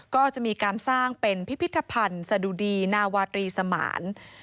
ก็จะมีการสร้างเป็นพิพิธภัณฑ์สะดุดีนาวาตรีสมาน